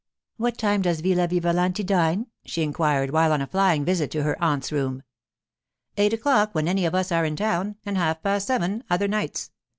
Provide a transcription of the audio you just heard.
'What time does Villa Vivalanti dine?' she inquired while on a flying visit to her aunt's room. 'Eight o'clock when any of us are in town, and half past seven other nights.